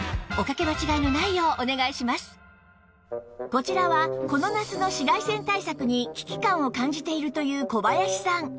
こちらはこの夏の紫外線対策に危機感を感じているという小林さん